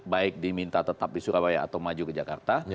baik diminta tetap di surabaya atau maju ke jakarta